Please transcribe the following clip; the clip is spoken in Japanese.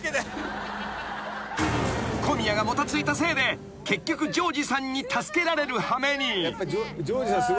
［小宮がもたついたせいで結局譲二さんに助けられるはめに］